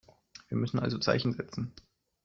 Wir müssen also Zeichen setzen.